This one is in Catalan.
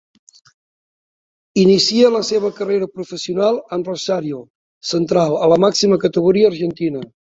Inicia la seua carrera professional amb Rosario Central a la màxima categoria argentina.